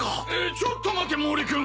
ちょっと待て毛利君！